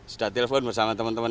sudah telpon bersama teman teman